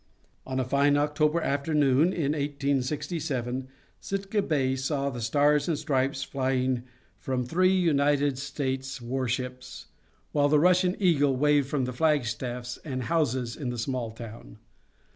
On a fine October afternoon in 1867 Sitka Bay saw the Stars and Stripes flying from three United States war ships, while the Russian Eagle waved from the flagstaffs and houses in the small town.